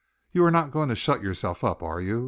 You are not going to shut yourself up, are you?